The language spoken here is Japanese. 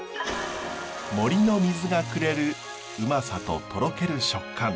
森の水がくれるうまさととろける食感。